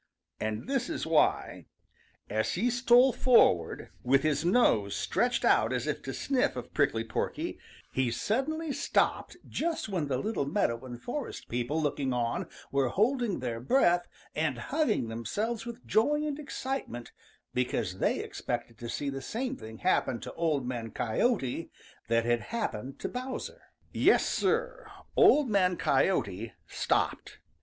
And this is why, as he stole forward with his nose stretched out as if to sniff of Prickly Porky, he suddenly stopped just when the little meadow and forest people looking on were holding their breath and hugging themselves with joy and excitement because they expected to see the same thing happen to Old Man Coyote that had happened to Bowser. Yes, Sir, Old Man Coyote stopped.